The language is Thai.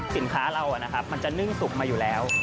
สินค้าเรามันจะนึ่งสุกมาอยู่แล้ว